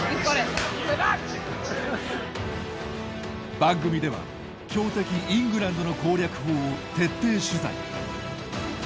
番組では強敵イングランドの攻略法を徹底取材。